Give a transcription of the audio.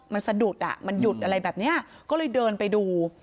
มันสะดุดอ่ะมันหยุดอะไรแบบนี้ก็เลยเดินไปดู